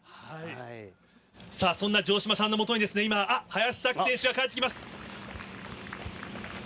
さあ、そんな城島さんのもとに今、林咲希選手が帰ってきます。